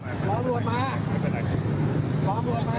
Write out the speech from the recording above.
รอบรวดมา